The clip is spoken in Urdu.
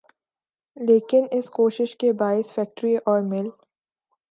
لیکن اس کوشش کے باعث فیکٹری اور میل